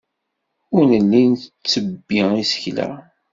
Ur nelli nttebbi isekla.